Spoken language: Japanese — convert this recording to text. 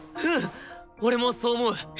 俺もそう思う！